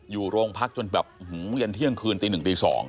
อยู่โรงพักจนแบบเย็นเที่ยงคืนตี๑ตี๒